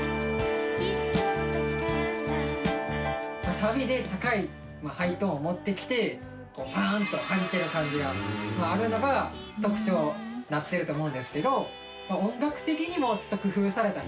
サビで高いハイトーンを持ってきてパーン！とはじける感じがあるのが特徴になってると思うんですけど。